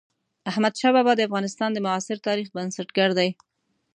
احمد شاه بابا د افغانستان د معاصر تاريخ بنسټ ګر دئ.